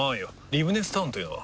リブネスタウンというのは？